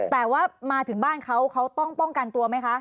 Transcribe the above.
แต่ว่ามาถึงบ้านเขาเขาต้องป้องกันตัวไหมคะ